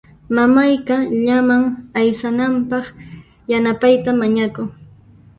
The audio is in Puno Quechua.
Mamayqa llaman aysanapaq yanapayta mañakun.